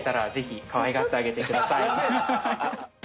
アハハハ！